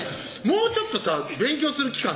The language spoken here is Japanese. もうちょっとさ勉強する期間